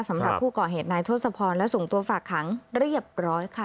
สำหรับผู้ก่อเหตุนายทศพรและส่งตัวฝากขังเรียบร้อยค่ะ